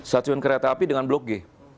stasiun kereta api dengan blok g